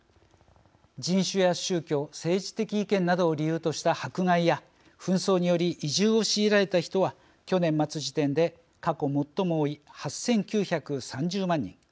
人種や宗教、政治的意見などを理由とした迫害や紛争により移住を強いられた人は去年末時点で過去最も多い８９３０万人。